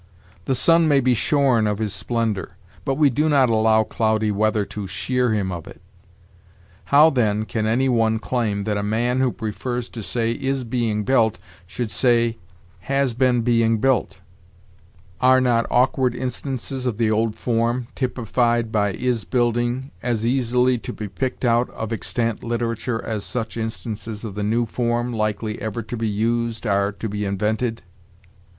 The sun may be shorn of his splendor; but we do not allow cloudy weather to shear him of it. How, then, can any one claim that a man who prefers to say is being built should say has been being built? Are not awkward instances of the old form, typified by is building, as easily to be picked out of extant literature as such instances of the new form, likely ever to be used, are to be invented?